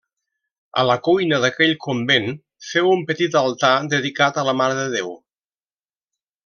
A la cuina d'aquell convent feu un petit altar dedicat a la Mare de Déu.